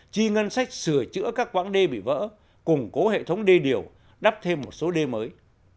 chi ngân sách sửa chữa các quãng đê bị vỡ củng cố hệ thống đê điều đắp thêm một số đê mới